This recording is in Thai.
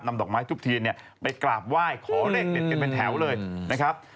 ทำดอกไม้ทุกทีเนี่ยไปกราบไหว้ขอเล่นเด็ดเป็นแถวเลยนะครับ